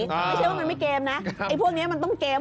ไม่ใช่ว่ามันไม่เกมนะไอ้พวกนี้มันต้องเกม